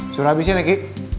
sudah habisnya nek i